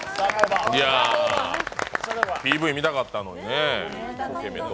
ＰＶ見たかったのにね。